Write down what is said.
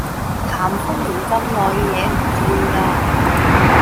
咸豐年咁耐嘅嘢唔要喇